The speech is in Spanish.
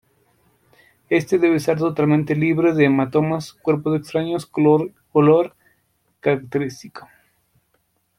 Este debe estar totalmente libre de hematomas, cuerpos extraños, color y olor característico.